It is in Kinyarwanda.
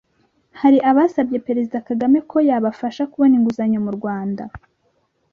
hari abasabye Perezida Kagame ko yabafasha kubona inguzanyo mu Rwanda